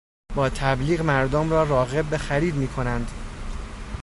با تبلیغ، مردم را راغب به خرید میکنند.